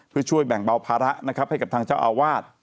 เพื่อช่วยแบ่งเบาภาระนะครับให้กับทางเจ้าอาวาส